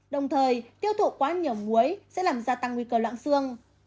đồng thời tiêu thụ quá nhiều muối sẽ làm gia tăng nguy cơ lãng xương